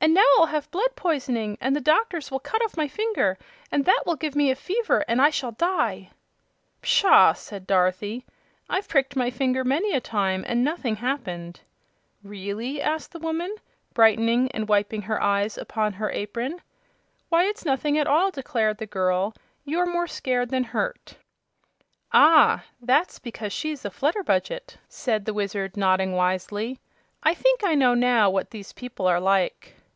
"And now I'll have blood poisoning, and the doctors will cut off my finger, and that will give me a fever and I shall die!" "Pshaw!" said Dorothy; "I've pricked my finger many a time, and nothing happened." "Really?" asked the woman, brightening and wiping her eyes upon her apron. "Why, it's nothing at all," declared the girl. "You're more scared than hurt." "Ah, that's because she's a Flutterbudget," said the Wizard, nodding wisely. "I think I know now what these people are like."